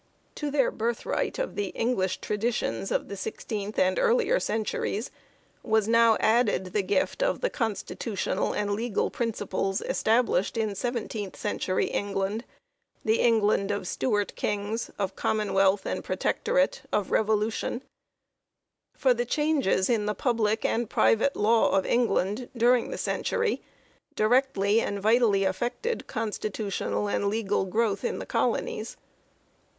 To their birth right of the English traditions of the sixteenth and earlier centuries was now added the gift of the constitutional and legal principles established in seventeenth century England, the England of Stuart kings, of Commonwealth and Pretectorate, of Revolution ; for the changes in the public and private law of England during the century directly and vitally affected constitutional and legal growth in the colonies.